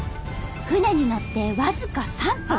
船に乗って僅か３分。